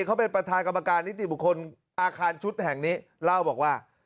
เขาเป็นประธานกรรมการนิติบุคคลอาคารชุดแห่งนี้เล่าบอกว่า